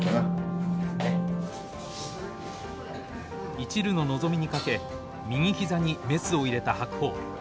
いちるの望みにかけ右膝にメスを入れた白鵬。